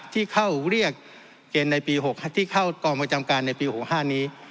ที่เข้าเรียกเกณฑ์ในปี๖ที่เข้ากองประจำการในปี๖๕นี้